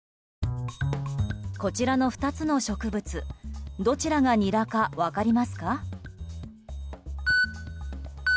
こちらの２つの植物どちらがニラか分かりますか？